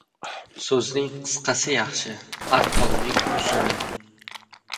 • So‘zning qisqasi yaxshi, arqonning ― uzuni.